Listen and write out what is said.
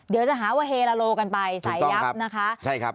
เดี๋ยวจะหาวะเฮลโลกันไปสายยับนะคะ